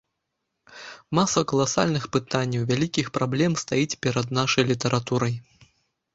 Маса каласальных пытанняў, вялікіх праблем стаіць перад нашай літаратурай.